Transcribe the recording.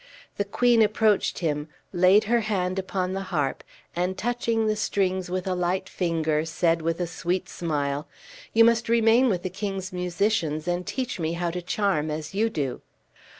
The queen approached him, laid her hand upon the harp, and touching the strings with a light finger, said with a sweet smile, "You must remain with the king's musicians, and teach me how to charm as you do!"